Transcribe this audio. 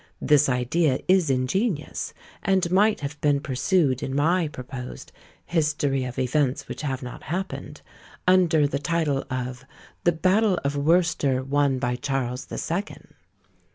This idea is ingenious; and might have been pursued in my proposed "History of Events which have not happened," under the title of "The Battle of Worcester won by Charles the Second."